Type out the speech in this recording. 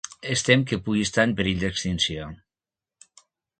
Es tem que pugui estar en perill d'extinció.